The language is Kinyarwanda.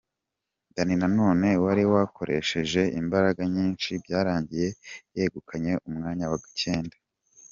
Danny Nanone wari wakoresheje imbaraga nyinshi byarangiye yegukanye umwanya wa cyenda .